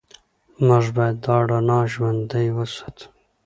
موږ باید دا رڼا ژوندۍ وساتو.